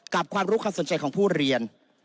ความรู้ความสนใจของผู้เรียน